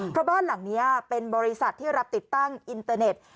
เพราะบ้านหลังนี้เป็นบริษัทที่รับติดตั้งอินเตอร์เน็ต